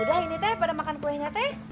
udah ini teh pada makan kuenya teh